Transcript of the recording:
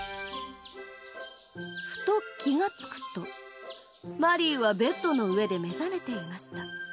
ふと気がつくとマリーはベッドの上で目覚めていました